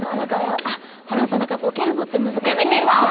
ホランさん、だからボケるのって難しいんですね。